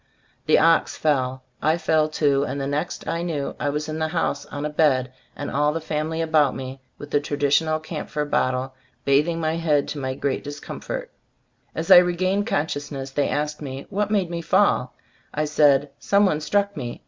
The ox fell, I fell too; and the next I knew I was in the house on a bed, and all the family about me, with the traditional camphor bottle, bathing my head to my great discomfort. As I regained consciousness they asked me what made me fall? I said "some one struck me."